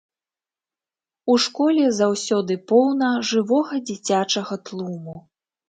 У школе заўсёды поўна жывога дзіцячага тлуму.